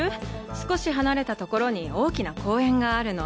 少し離れた所に大きな公園があるの。